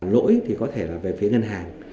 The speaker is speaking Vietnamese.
lỗi thì có thể là về phía ngân hàng